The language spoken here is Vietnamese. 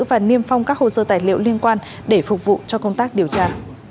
và niêm phong các hồ sơ tài liệu liên quan để phục vụ cho công tác điều tra